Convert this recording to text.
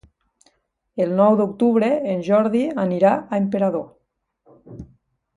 El nou d'octubre en Jordi anirà a Emperador.